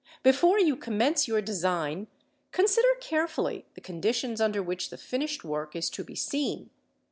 Before you commence your design, consider carefully the conditions under which the finished work is to be seen.